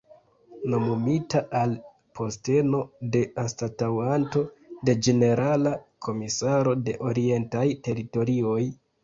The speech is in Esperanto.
Nomumita al posteno de anstataŭanto de ĝenerala komisaro de Orientaj Teritorioj.